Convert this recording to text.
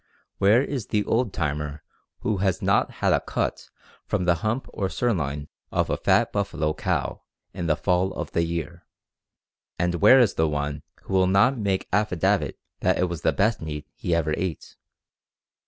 Where is the 'old timer' who has not had a cut from the hump or sirloin of a fat buffalo cow in the fall of the year, and where is the one who will not make affidavit that it was the best meat he ever ate?